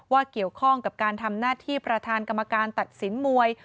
เกี่ยวข้องกับการทำหน้าที่ประธานกรรมการตัดสินมวย